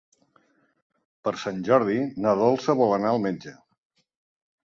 Per Sant Jordi na Dolça vol anar al metge.